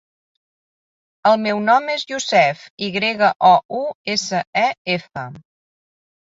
El meu nom és Yousef: i grega, o, u, essa, e, efa.